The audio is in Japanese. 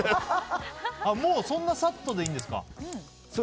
もう、そんなサッとでいいんですか？